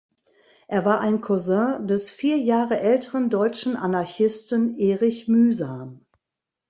Er war ein Cousin des vier Jahre älteren deutschen Anarchisten Erich Mühsam.